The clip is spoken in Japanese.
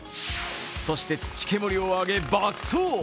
そして、土煙を上げ、爆走。